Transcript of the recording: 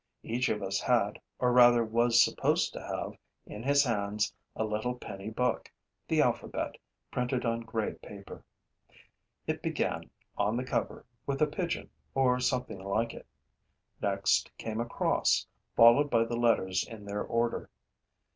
Each of us had, or rather was supposed to have, in his hands a little penny book, the alphabet, printed on gray paper. It began, on the cover, with a pigeon, or something like it. Next came a cross, followed by the letters in their order.